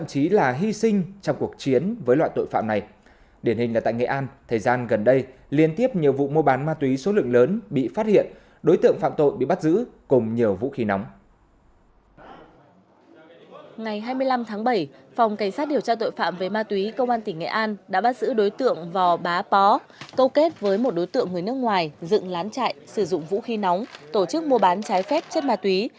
câu kết với một đối tượng người nước ngoài dựng lán chạy sử dụng vũ khí nóng tổ chức mua bán trái phép chất ma túy